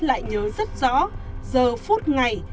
lại nhớ rất rõ giờ phút ngày